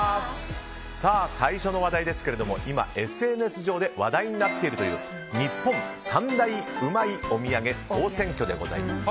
最初の話題ですけれども今、ＳＮＳ上で話題になっているという日本三大うまいおみやげ総選挙でございます。